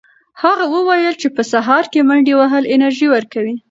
هغه وویل چې په سهار کې منډې وهل انرژي ورکوي.